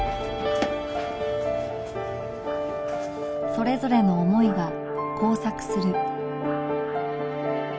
それぞれの思いが交錯する